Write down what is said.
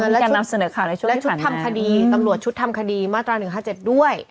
และชุดทำคดีตำรวจชุดทำคดีมาตรา๑๕๗ด้วย